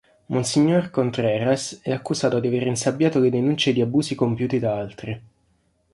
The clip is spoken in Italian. Monsignor Contreras è accusato di avere insabbiato le denunce di abusi compiuti da altri.